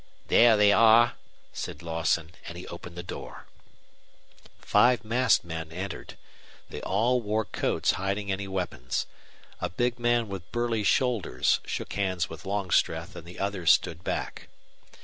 "There they are," said Lawson, and he opened the door. Five masked men entered. They all wore coats hiding any weapons. A big man with burly shoulders shook hands with Longstreth, and the others stood back.